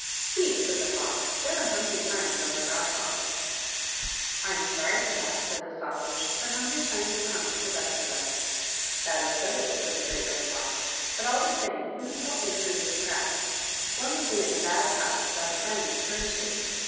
" See," said the Fox, " there are hungry times over at our house '' titovtu t£fft (Cfrcaf IfUdiTotcall^ upont^&aufsage^ " I am sorry for that," said the Sausage ;" but hungry times will come to the best of us." " That is so," said the Great Red Fox, " but, all the same, you must help me through this crack. One would be in a bad pass without a friend to turn to."